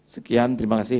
sekian terima kasih